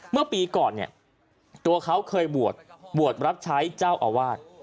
เมื่อปีก่อนเนี่ยตัวเขาเคยบวชบวชรับใช้เจ้าอาวาส